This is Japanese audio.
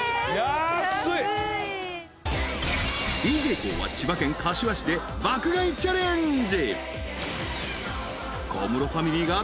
［ＤＪＫＯＯは千葉県柏市で爆買いチャレンジ］